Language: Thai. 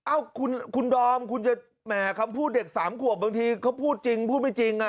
เอ้าคุณดอมคุณจะแหมคำพูดเด็ก๓ขวบบางทีเขาพูดจริงพูดไม่จริง